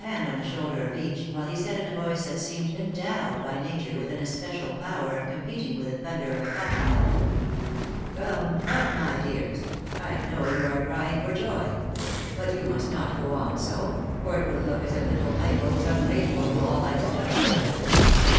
hand on the shoulder of each, while he said in a voice that seemed endowed by nature with an especial power of competing with the thunder of a cotton mill —" Come, come, my dears ! I know you are crying for joy ; but you must not go on so, or it will look as if little Michael was un grateful for all I have done for him